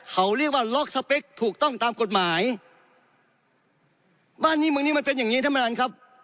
เขาเรียกว่าล็อกสเปคถูกต้องตามกฎหมายบ้านนี้เมืองนี้มันเป็นอย่างงี้ท่านประธานครับ